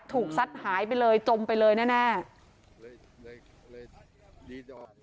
ถูกซัดหายไปเลยจมไปเลยแน่แน่